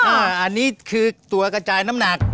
อันนี้คือตัวกระจายน้ำหนัก